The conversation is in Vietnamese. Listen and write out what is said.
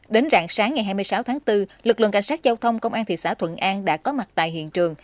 đến rạng sáng ngày hai mươi sáu tháng bốn lực lượng cảnh sát giao thông công an thị xã thuận an đã có mặt tại hiện trường